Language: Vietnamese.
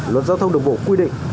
luật giao thông đồng bộ quy định